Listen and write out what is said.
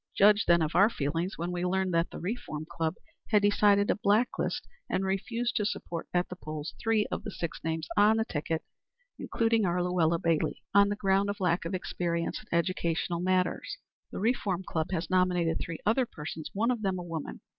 Judge, then, of our feelings when we learned that the Reform Club had decided to blacklist and refuse to support at the polls three of the six names on the ticket, including our Luella Bailey, on the ground of lack of experience in educational matters. The Reform Club has nominated three other persons one of them a woman.